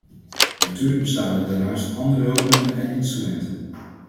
Natuurlijk bestaan er daarnaast andere hulpmiddelen en instrumenten.